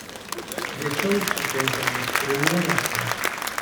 Rečiau sutinkamas krūmynuose.